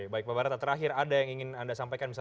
baik pak barata terakhir ada yang ingin anda sampaikan